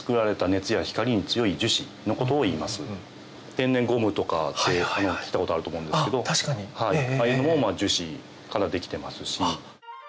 天然ゴムとかって聞いたことあると思うんですけどああいうのも樹脂からできてますし。